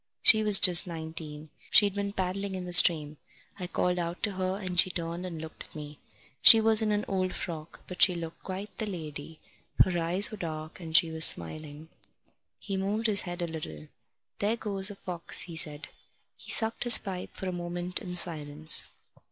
She was just nineteen. She'd been paddling in the stream. I called out to her, and she turned and looked at me. She was in an old frock, but she looked quite the lady. Her eyes was dark, and she was smiling." He moved his head a little. "There goes a fox," he said. He sucked his pipe for a moment in silence.